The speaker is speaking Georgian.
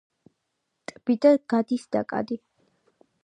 ტბიდან გადის ნაკადი.